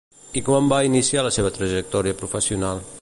I quan va iniciar la seva trajectòria professional?